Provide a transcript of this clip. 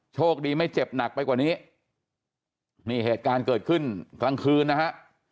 โชคดีไม่เจ็บหนักไปกว่านี้นี่เหตุการณ์เกิดขึ้นกลางคืนนะฮะ